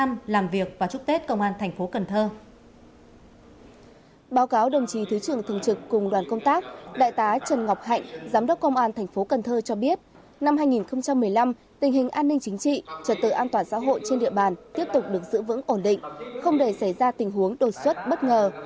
năm hai nghìn một mươi năm tình hình an ninh chính trị trật tự an toàn xã hội trên địa bàn tiếp tục được giữ vững ổn định không để xảy ra tình huống đột xuất bất ngờ